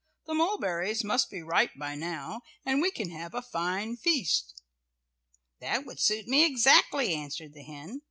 The mulberries must be ripe by now, and we can have a fine feast." "That would suit me exactly," answered the hen.